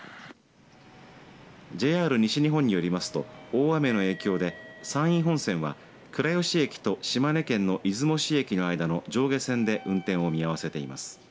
ＪＲ西日本によりますと大雨の影響で山陰本線は倉吉駅と島根県の出雲市駅の間の上下線で運転を見合わせています。